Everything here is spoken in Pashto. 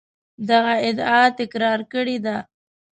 دغه ادعا تکرار کړې ده.